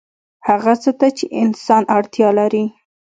هغه څه ته چې انسان اړتیا لري